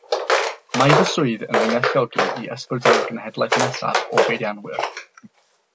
Mae fy swydd yn fy ngalluogi i ysbrydoli'r genhedlaeth nesaf o beirianwyr